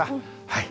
はい。